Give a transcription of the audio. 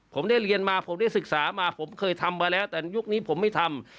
ผมได้เรียนมาผมได้ศึกษามาผมเคยทำมาแล้วแต่ยุคนี้ผมไม่ทำ